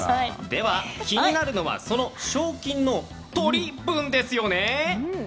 では、気になるのはその賞金のトリ分ですよね！